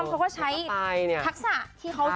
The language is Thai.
เค้าก็ใช้ทักษะที่เขาอธนับ